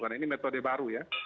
karena ini metode baru ya